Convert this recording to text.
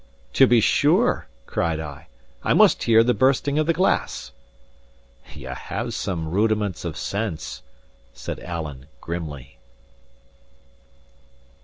"To be sure!" cried I. "I must hear the bursting of the glass!" "Ye have some rudiments of sense," said Alan, grimly.